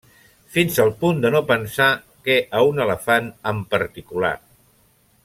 Fins al punt de no pensar que a un elefant en particular.